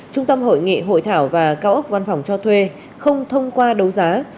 trung tâm hội nghị hội thảo và cao ốc văn phòng cho thuê không thông qua đấu giá